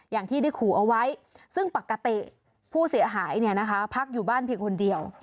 อย่างที่ได้ขู่เอาไว้ซึ่งปกติผู้เสียหายพักอยู่บ้านเพียงคนเดียว